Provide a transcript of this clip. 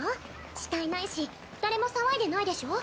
死体ないし誰も騒いでないでしょ